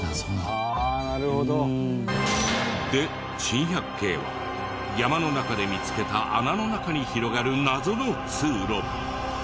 「ああなるほど」で珍百景は山の中で見つけた穴の中に広がる謎の通路。